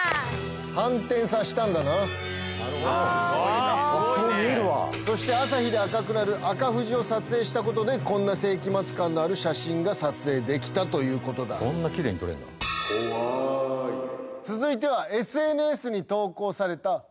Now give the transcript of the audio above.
反転させたんだなそう見えるわそして朝日で赤くなる赤富士を撮影したことでこんな世紀末感のある写真が撮影できたということだこんなキレイに撮れんだ続いては動画？